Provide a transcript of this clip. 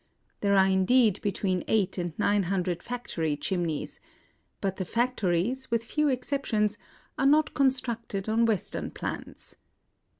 There are indeed between eight and nine hundred factory chimneys ; but the factories, with few exceptions, are not con structed on Western plans.